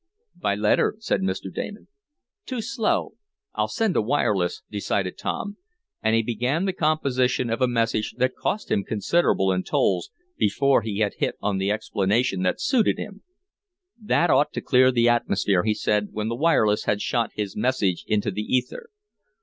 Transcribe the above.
"By letter," said Mr. Damon. "Too slow. I'll send a wireless," decided Tom, and he began the composition of a message that cost him considerable in tolls before he had hit on the explanation that suited him. "That ought to clear the atmosphere," he said when the wireless had shot his message into the ether.